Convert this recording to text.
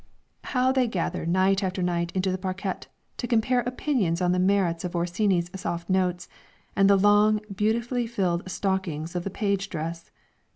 How they gather night after night into the parquette, to compare opinions on the merits of Orsini's soft notes, and the long, beautifully filled stockings of the page dress.